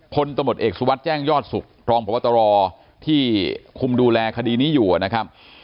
คนตมติเอกสุวัสดิ์แจ้งยอดศุกร์ทรองประวัตรรอที่คุมดูแลคดีนี้อยู่นะครับ